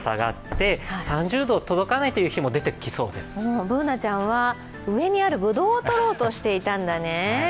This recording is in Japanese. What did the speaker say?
Ｂｏｏｎａちゃんは上にあるぶどうをとろうとしていたんだね。